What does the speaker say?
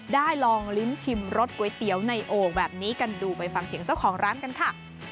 ลองลิ้มชิมรสก๋วยเตี๋ยวในโอ่งแบบนี้กันดูไปฟังเสียงเจ้าของร้านกันค่ะ